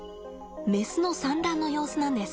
メスの産卵の様子なんです。